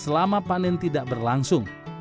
selama panen tidak berlangsung